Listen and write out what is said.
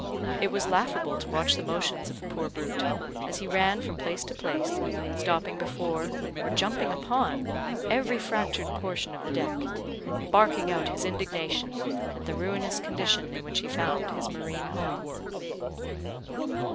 It was laughable to watch the motions of the poor brute, as he ran from place to place, stopping before, or jumping upon, every fractured portion of the deck, and barking out his indignation at the ruinous condition in which he found his marine home.